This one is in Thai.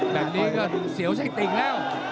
แบบนี้ก็ดูเสียวไส้ติ่งแล้ว